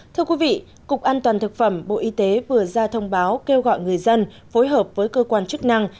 thưa quý vị cục an toàn thực phẩm bộ y tế vừa ra thông báo kêu gọi người dân phối hợp với cơ quan chức năng